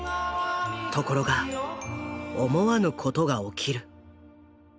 ところが思わぬことが起きる。